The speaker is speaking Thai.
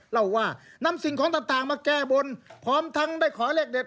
เล่าว่านำสิ่งของต่างมาแก้บนพร้อมทั้งได้ขอเลขเด็ด